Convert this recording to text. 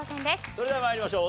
それでは参りましょう。